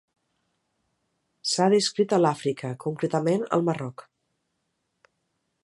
S'ha descrit a l'Àfrica, concretament al Marroc.